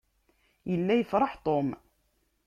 Yella yefṛeḥ Tom.